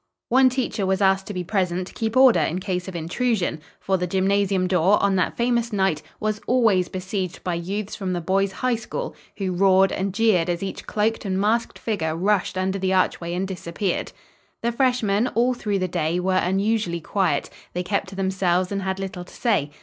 One teacher was asked to be present to keep order in case of intrusion, for the gymnasium door, on that famous night, was always besieged by youths from the Boys' High School, who roared and jeered as each cloaked and masked figure rushed under the archway and disappeared. The freshmen, all through the day, were unusually quiet. They kept to themselves and had little to say.